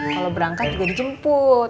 kalo berangkat juga dijemput